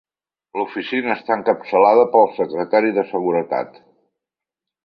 L'oficina està encapçalada pel secretari de Seguretat.